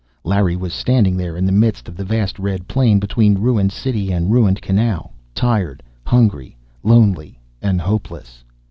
Larry was standing there, in the midst of the vast red plain between ruined city and ruined canal. Tired, hungry, lonely and hopeless.